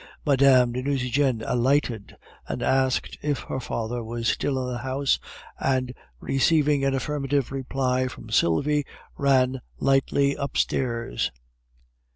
Mme. de Nucingen alighted, and asked if her father was still in the house, and, receiving an affirmative reply from Sylvie, ran lightly upstairs.